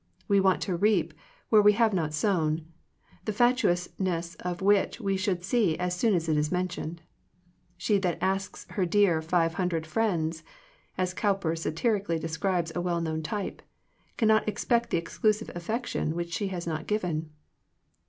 We want to reap where we have not sown, the fatuousness of which we should see as soon as it is mentioned. She that asks her dear five hundred friends '* (as Cow per satirically describes a well known type) cannot expect the exclusive affec tion, which she has not given.